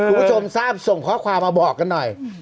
คุณผู้ชมทราบส่งข้อความมาบอกกันหน่อย